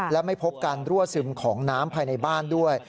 และไม่พบการรั่วซึมของน้ำภายในบ้านด้วย